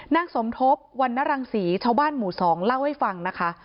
นางสมทบวันนรังศรีชาวบ้านหมู่๒เล่าให้ฟังนะคะ